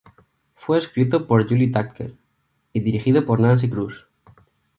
Fue escrito por Julie Thacker y dirigido por Nancy Kruse.